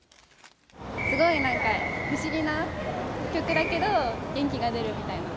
すごいなんか、不思議な曲だけど、元気が出るみたいな。